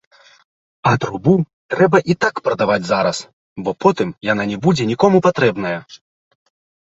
А трубу трэба і так прадаваць зараз, бо потым яна не будзе нікому патрэбная.